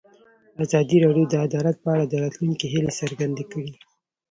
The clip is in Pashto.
ازادي راډیو د عدالت په اړه د راتلونکي هیلې څرګندې کړې.